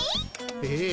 ええ。